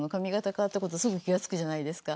変わったことすぐ気が付くじゃないですか。